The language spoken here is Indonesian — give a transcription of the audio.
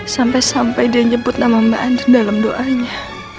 sampai sampai dia nyebut nama mbak andri dalam doanya